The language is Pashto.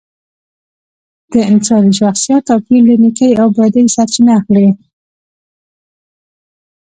د انساني شخصیت توپیر له نیکۍ او بدۍ سرچینه اخلي